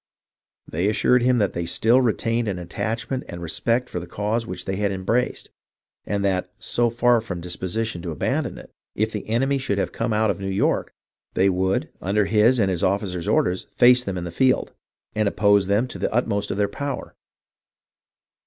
They assured him that they still retained an attachment and respect for the cause which they had embraced, and that, so far from a dis position to abandon it, if the enemy should have to come out of New York, they would, under his and his officers' orders, face them in the field, and oppose them to the utmost in their power.